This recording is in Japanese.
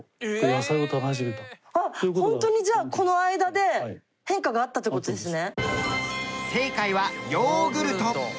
ホントにじゃあこの間で変化があったって事ですね。